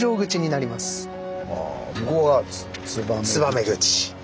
燕口。